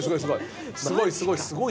すごいすごい。